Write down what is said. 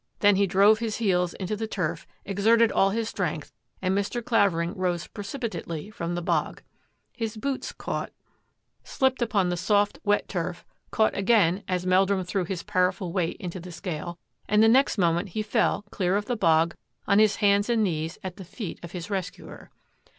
Then he drove his heels into the turf, exerted all his strength, and Mr. Clavering rose precipitately from the bog. His boots caught, 136 THAT AFFAIR AT THK MANOR slipped upon the soft, wet turf, caught again as Meldrum threw his powerful weight into the scale, and the next moment he fell, clear of the bog, on his hands and knees at the feet of his rescuer.